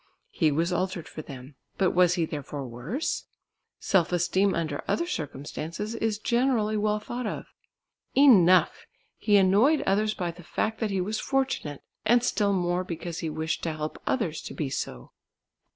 He was altered for them, but was he therefore worse? Self esteem under other circumstances is generally well thought of. Enough! He annoyed others by the fact that he was fortunate, and still more because he wished to help others to be so.